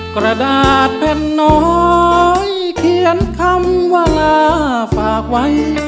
กระดาษแผ่นน้อยเขียนคำว่าลาฝากไว้